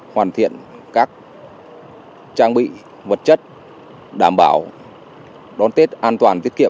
hoàn thiện các trang bị vật chất đảm bảo đón tết an toàn tiết kiệm